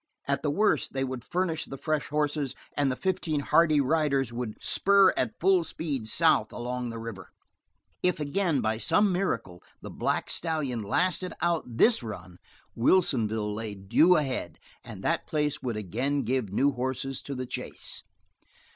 At the worst they would furnish the fresh horses and the fifteen hardy riders would spur at full speed south along the river. If again, by some miracle, the black stallion lasted out this run, Wilsonville lay due ahead, and that place would again give new horses to the chase.